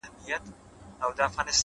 د وخت ناخوالي كاږم _